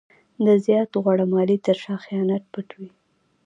د زیاتې غوړه مالۍ تر شا خیانت پټ وي.